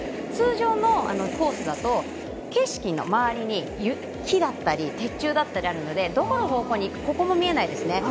通常のコースだと景色の周りに雪だったり鉄柱だったりがあるのでここも見えないですね。